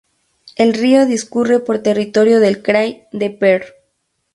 El río discurre por territorio del krai de Perm.